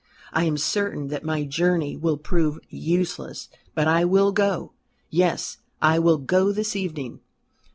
I am certain that my journey will prove useless. But I will go. Yes, I will go this evening."